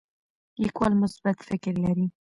لیکوال مثبت فکر لري.